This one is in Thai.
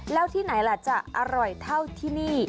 แล้วที่ไหนล่ะจะอร่อยเท่าที่นี่